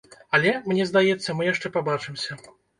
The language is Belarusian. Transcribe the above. Але, мне здаецца, мы яшчэ пабачымся.